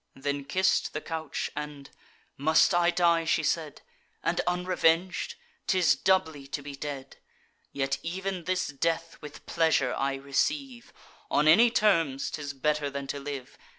Then kiss'd the couch; and, "Must I die," she said, "And unreveng'd? 'Tis doubly to be dead! Yet ev'n this death with pleasure I receive: On any terms, 'tis better than to live.